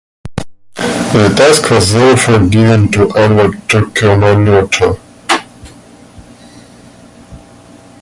The task was therefore given to Anwar Tjokroaminoto.